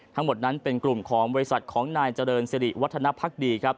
ทั้งหมดนั้นเป็นกลุ่มของบริษัทของนายเจริญสิริวัฒนภักดีครับ